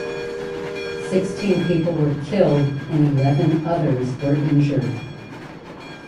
Sixteen people were killed and eleven others were injured.